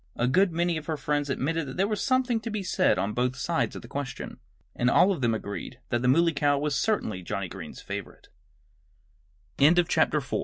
A good many of her friends admitted that there was something to be said on both sides of the question. And all of them agreed that the Muley Cow was certainly Johnnie Green's favorite. V THE FRIENDLY SCA